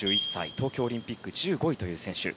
東京オリンピック１５位という選手。